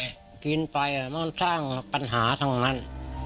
เหล้ากินไปน่าจะสร้างปัญหาทั้งนั้น